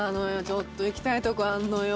ちょっと行きたいとこあるのよ。